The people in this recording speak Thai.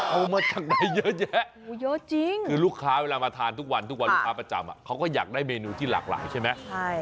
เอามาจากไหนเยอะแยะเยอะจริงคือลูกค้าเวลามาทานทุกวันทุกวันลูกค้าประจำเขาก็อยากได้เมนูที่หลากหลายใช่ไหม